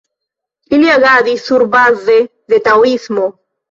Ili agadis surbaze de taoismo.